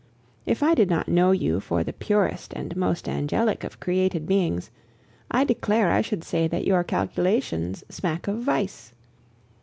If I did not know you for the purest and most angelic of created beings, I declare I should say that your calculations smack of vice.